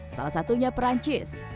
salah satunya perancis